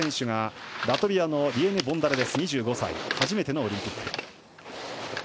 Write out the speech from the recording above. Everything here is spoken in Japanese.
ラトビアのリエネ・ボンダレ２５歳、初めてのオリンピック。